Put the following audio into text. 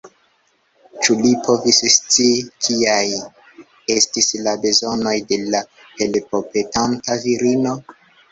Ĉu li povis scii, kiaj estis la bezonoj de la helpopetanta virino?